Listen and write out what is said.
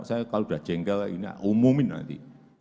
saya kalau sudah jengkel umumin nanti